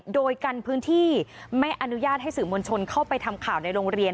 โดยกันพื้นที่ไม่อนุญาตให้สื่อมวลชนเข้าไปทำข่าวในโรงเรียน